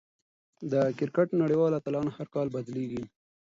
د کرکټ نړۍوال اتلان هر کال بدلېږي.